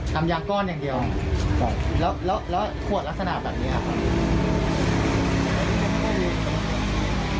ทำยางก้อนอย่างเดียวใช่แล้วแล้วแล้วขวดลักษณะแบบนี้ครับ